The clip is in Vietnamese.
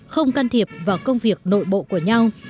không can thiệp vào công việc nội bộ của nhau